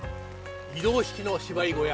移動式の芝居小屋